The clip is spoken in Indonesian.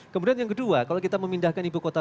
kemudian yang kedua kalau kita memindahkan ibu kota